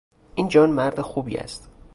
این جان مرد خوبی است.